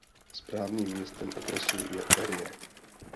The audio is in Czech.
Správním městem okresu je Erie.